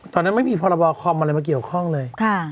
ตอนนั้นไม่มีพรบคอมอะไรมาเกี่ยวข้องเลย